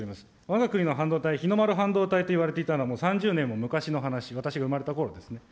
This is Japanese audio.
わが国の半導体、日の丸半導体といわれていたのは、もう３０年も昔の話、私が生まれたころですね。